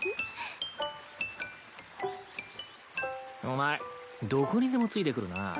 お前どこにでもついてくるな。